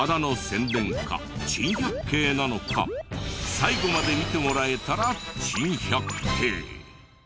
最後まで見てもらえたら珍百景。